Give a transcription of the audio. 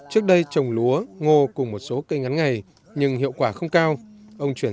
trước đây trồng lúa ngô cùng một số cây ngắn ngày nhưng hiệu quả không cao